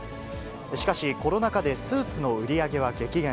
しかし、コロナ禍でスーツの売り上げは激減。